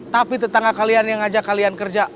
tapi tetangga kalian yang ngajak kalian kerja